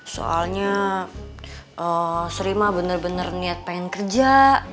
soalnya ee seri mah bener bener niat pengen kerja